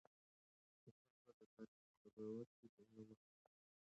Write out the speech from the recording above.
خو موږ به د تاریخ په قضاوت کې بېنومه شو.